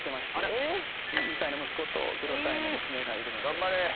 ２歳の息子と０歳の娘がいるので。